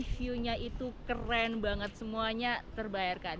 view nya itu keren banget semuanya terbayarkan